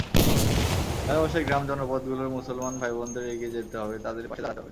আশপাশের গ্রাম-জনপদগুলোর মুসলমান ভাইবোনদের এগিয়ে যেতে হবে, তাঁদের পাশে দাঁড়াতে হবে।